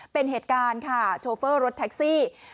เป็นเหตุการณ์ค่ะโชเฟอร์รถแท็กซี่